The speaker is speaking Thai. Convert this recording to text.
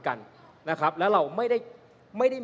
คุณเขตรัฐพยายามจะบอกว่าโอ้เลิกพูดเถอะประชาธิปไตย